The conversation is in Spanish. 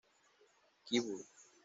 Kew Bull.